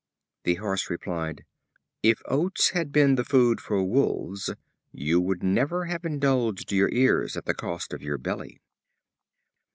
The Horse replied: "If oats had been the food for wolves, you would never have indulged your ears at the cost of your belly."